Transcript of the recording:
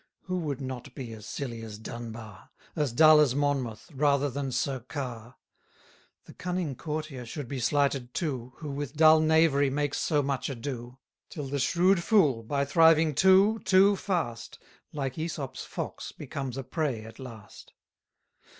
Who would not be as silly as Dunbar? As dull as Monmouth, rather than Sir Carr? The cunning courtier should be slighted too, Who with dull knavery makes so much ado; Till the shrewd fool, by thriving too, too fast, Like Æsop's fox becomes a prey at last.